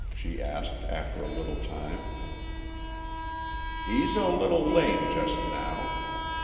she asked, after a little time. "He is a little lame just now.